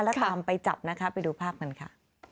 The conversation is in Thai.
แล้วตามไปจับนะคะไปดูภาพกันค่ะ